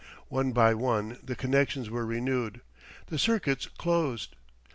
One by one the connections were renewed, the circuits closed....